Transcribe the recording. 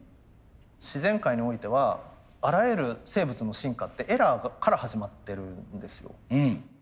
自然界においてはあらゆる生物の進化ってエラーから始まってるんですよ。